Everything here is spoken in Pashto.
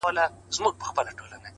• په لرغونو زمانو کي یو حاکم وو,